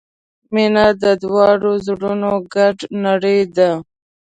• مینه د دواړو زړونو ګډه نړۍ ده.